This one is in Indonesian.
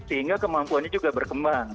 sehingga kemampuannya juga berkembang